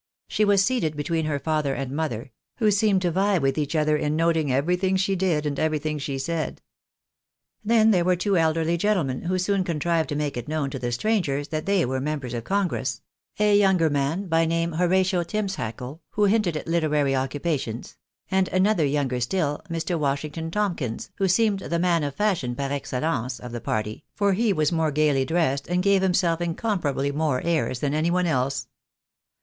She was seated between her father and mother, who seemed to vie with each other in noting everything she did, and everything she said. Then there were two elderly gentlemen, who soon contrived to make it known to the strangers that they were members of con gress ; a younger man, by name Horatio Timmsthackle, who hinted at literary occupations ; and another younger stiU, Mr. Washington Tomkins, who seemed the man of fashion, par excellence^ of the party, for he was more gaily dressed, and gave himself incomparably more airs than any one else.